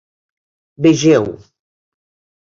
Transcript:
Vegeu: